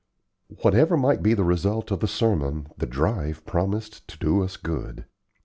Whatever might be the result of the sermon, the drive promised to do us good.